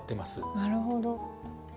なるほど。